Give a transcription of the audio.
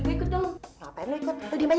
ikut ikut di rumah